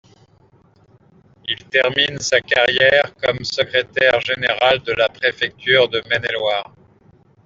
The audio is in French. Il termine sa carrière comme secrétaire général de la préfecture de Maine-et-Loire.